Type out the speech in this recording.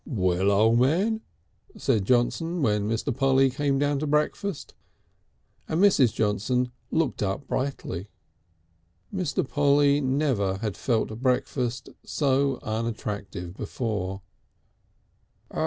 "Well, O' Man?" said Johnson, when Mr. Polly came down to breakfast, and Mrs. Johnson looked up brightly. Mr. Polly had never felt breakfast so unattractive before.